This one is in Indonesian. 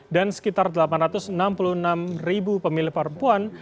sekitar delapan ratus enam puluh enam ribu pemilih perempuan